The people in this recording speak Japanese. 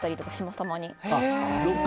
たまに。